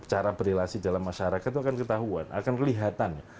cara berrelasi dalam masyarakat itu akan ketahuan akan kelihatan